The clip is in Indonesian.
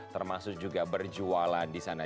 termasuk juga berjualan di sana